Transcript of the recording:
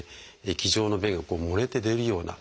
液状の便が漏れて出るような。